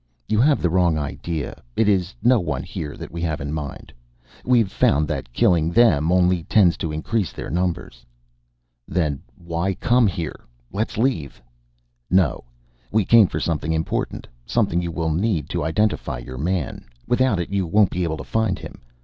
"You have the wrong idea. It is no one here that we have in mind. We've found that killing them only tends to increase their numbers." "Then why come here? Let's leave." "No. We came for something important. Something you will need to identify your man. Without it you won't be able to find him."